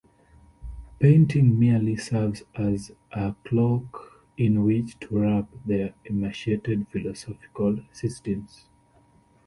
Painting merely serves as a cloak in which to wrap their emaciated philosophical systems.